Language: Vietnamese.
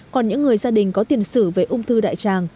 còn những người gia đình có tiền sử về ung thư đại tràng